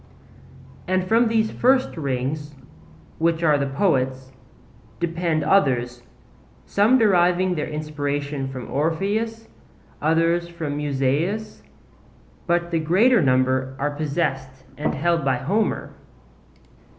And from these first rings, which are the poets, depend others, some deriving their inspiration from Orpheus, others from Musaeus; but the greater number are possessed and held by Homer.